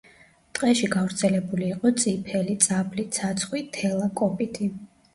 ტყეში გავრცელებული იყო წიფელი, წაბლი, ცაცხვი, თელა, კოპიტი.